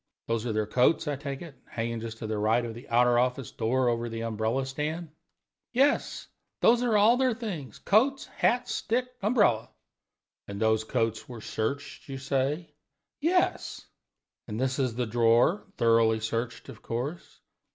Those are their coats, I take it, hanging just to the right of the outer office door, over the umbrella stand?" "Yes, those are all their things coats, hats, stick, and umbrella." "And those coats were searched, you say?" "Yes." "And this is the drawer thoroughly searched, of course?"